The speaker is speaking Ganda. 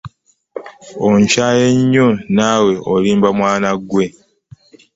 Onkyaye nnyo naawe olimba mwana ggwe.